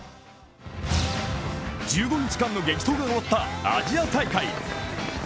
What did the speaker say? １５日間の激闘が終わったアジア大会。